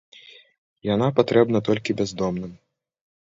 Яна патрэбна толькі бяздомным.